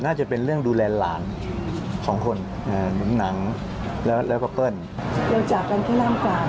น่าจะเป็นเรื่องดูแลหลานของคนหนังแล้วก็เกิ้ล